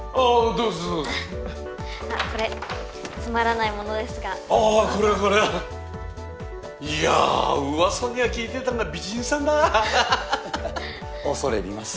どうぞどうぞあっこれつまらないものですがどうぞあこれはこれはいやうわさには聞いていたが美人さんだアハハハハ恐れ入ります